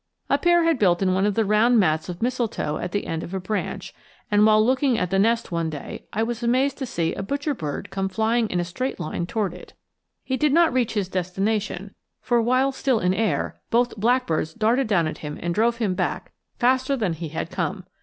A pair had built in one of the round mats of mistletoe at the end of a branch, and while looking at the nest one day I was amazed to see a butcherbird come flying in a straight line toward it. He did not reach his destination, for while still in air both blackbirds darted down at him and drove him back faster than he had come.